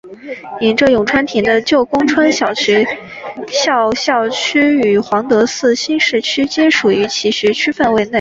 沿着永田川的旧宫川小学校校区与皇德寺新市区皆属于其学区范围内。